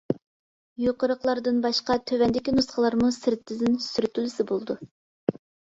يۇقىرىقىلاردىن باشقا تۆۋەندىكى نۇسخىلارمۇ سىرتىدىن سۈرتۈلسە بولىدۇ.